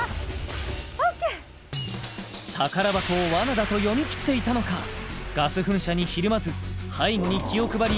ＯＫ宝箱を罠だと読み切っていたのかガス噴射にひるまず背後に気を配り